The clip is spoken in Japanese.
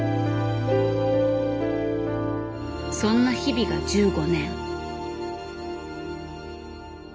そんな日々が１５年。